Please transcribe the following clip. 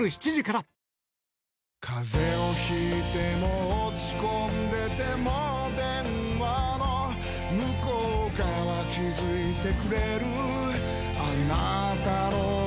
風邪を引いても落ち込んでても電話の向こう側気付いてくれるあなたの声